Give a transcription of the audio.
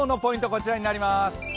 こちらになります。